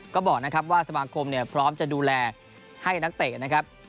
ก็บอกนะครับว่าสมาคมเนี่ยพร้อมจะดูแลให้นักเตะนะครับ